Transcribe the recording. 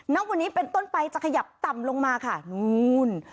ณวันนี้เป็นต้นไปจะขยับต่ำลงมาค่ะนู้น